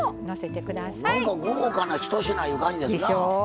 なんか豪華な１品いう感じですな。でしょう。